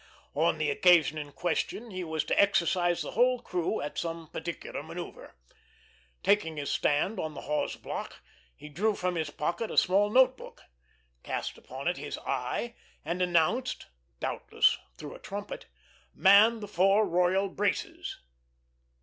On the occasion in question he was to exercise the whole crew at some particular manoeuvre. Taking his stand on the hawse block, he drew from his pocket a small note book, cast upon it his eye and announced doubtless through the trumpet "Man the fore royal braces!"